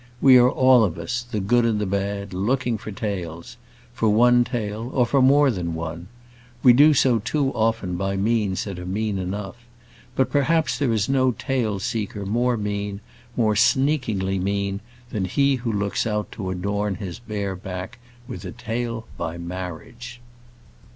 We are all of us, the good and the bad, looking for tails for one tail, or for more than one; we do so too often by ways that are mean enough: but perhaps there is no tail seeker more mean, more sneakingly mean than he who looks out to adorn his bare back with a tail by marriage.